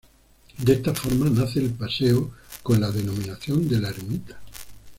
De esta forma nace el paseo con la denominación de la ermita.